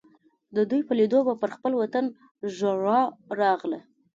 د دوی په لیدو به پر خپل وطن ژړا راغله.